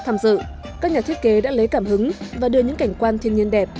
tham dự các nhà thiết kế đã lấy cảm hứng và đưa những cảnh quan thiên nhiên đẹp